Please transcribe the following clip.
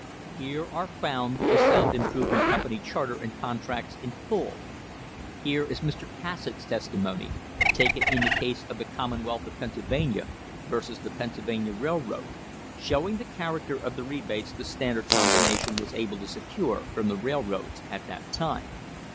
Here are found the South Improvement Company charter and contracts in full. Here is Mr. Cassatt's testimony, taken in the case of the Commonwealth of Pennsylvania vs. the Pennsylvania Rail road, showing the character of the rebates the Standard Com bination was able to secure from the railroads at that time.